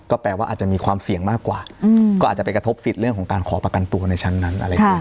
แปลว่าอาจจะมีความเสี่ยงมากกว่าก็อาจจะไปกระทบสิทธิ์เรื่องของการขอประกันตัวในชั้นนั้นอะไรอย่างนี้